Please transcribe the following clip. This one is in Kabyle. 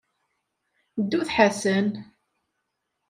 Ddu d Ḥasan.